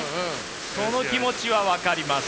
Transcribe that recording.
その気持ちは分かります。